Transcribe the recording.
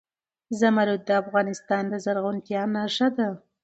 زمرد د افغانستان د زرغونتیا نښه ده.